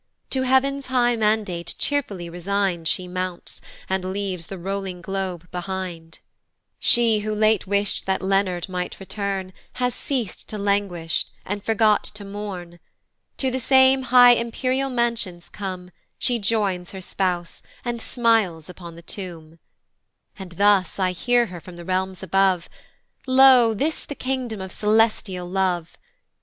To heav'n's high mandate cheerfully resign'd She mounts, and leaves the rolling globe behind; She, who late wish'd that Leonard might return, Has ceas'd to languish, and forgot to mourn; To the same high empyreal mansions come, She joins her spouse, and smiles upon the tomb: And thus I hear her from the realms above: "Lo! this the kingdom of celestial love!